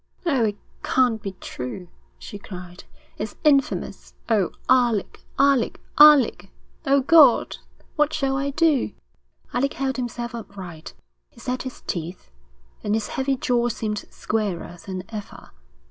'Oh, it can't be true,' she cried. 'It's infamous. Oh, Alec, Alec, Alec... O God, what shall I do.' Alec held himself upright. He set his teeth, and his heavy jaw seemed squarer than ever.